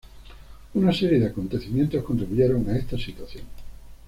Una serie de acontecimientos contribuyeron a esta situación.